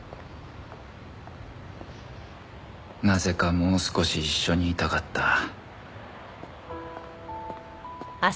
なぜかもう少し一緒にいたかった